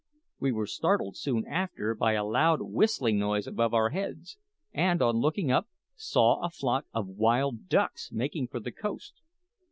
We were startled soon after by a loud whistling noise above our heads, and on looking up, saw a flock of wild ducks making for the coast.